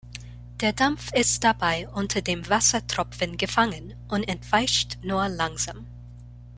Der Dampf ist dabei unter dem Wassertropfen gefangen und entweicht nur langsam.